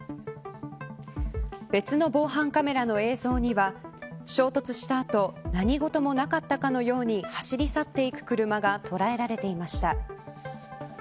別の防犯カメラの映像には衝突した後何事もなかったかのように走り去っていく車が捉えられていました。